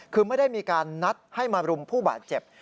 คือไม่ได้มีการนัดให้มารุมผู้บาดเจ็บ